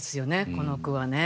この句はね。